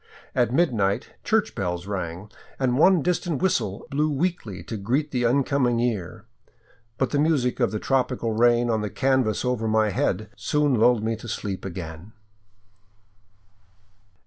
At midnight church bells rang, and one distant whistle blew weakly to greet the incoming year, but the music of the tropical rain on the canvas over my head soon lulled me to sleep again.